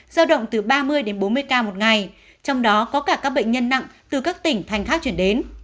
giao động từ ba mươi đến bốn mươi ca một ngày trong đó có cả các bệnh nhân nặng từ các tỉnh thành khác chuyển đến